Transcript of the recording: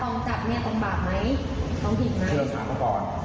ตองจับเนี่ยตองบาปไหม